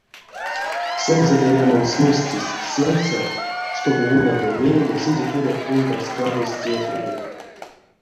Сонзэ эрямонь смустесь сеньсэ, штобу войнадо мейле седе курок кундамс кадозь тевтненень.